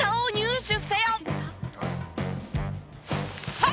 はい！